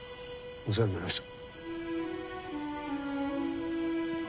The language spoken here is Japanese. お世話になりました。